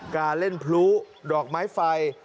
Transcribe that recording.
การเล่นพลุดอกไม้ไฟ